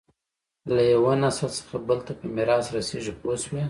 له یوه نسل څخه بل ته په میراث رسېږي پوه شوې!.